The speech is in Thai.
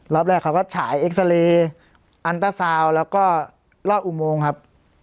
รอบแรกเขาก็ฉายเอ็กซาเรย์อันตราซาวน์แล้วก็รอดอุโมงครับ